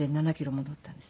戻ったんです。